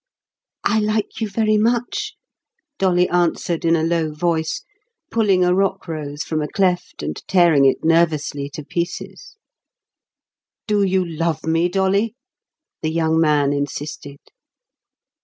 "I like you very much," Dolly answered in a low voice, pulling a rock rose from a cleft and tearing it nervously to pieces. "Do you love me, Dolly?" the young man insisted.